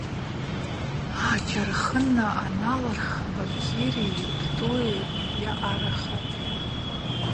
Ачархына аналырх Бакьыри Птӏуи аъарахатӏ.